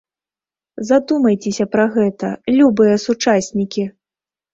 Задумайцеся пра гэта, любыя сучаснікі!